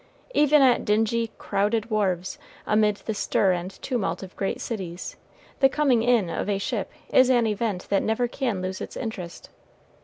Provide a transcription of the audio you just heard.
Even at dingy, crowded wharves, amid the stir and tumult of great cities, the coming in of a ship is an event that never can lose its interest.